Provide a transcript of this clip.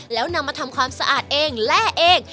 แล้วนำมาทำความสะอาดเองแร่เอง